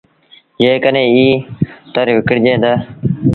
جيڪڏهينٚ ايٚ اتر وڪڻجي هآ